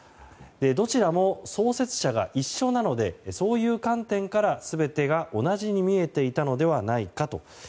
どちらも創設者が一緒なのでそういう観点から全てが同じに見えていたのではないかと。